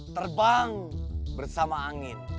terbang bersama angin